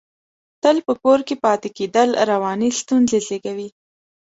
تل په کور کې پاتې کېدل، رواني ستونزې زېږوي.